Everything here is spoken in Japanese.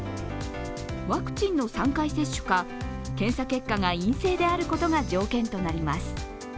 ワクチンの３回接種か、検査結果が陰性であることが条件となります。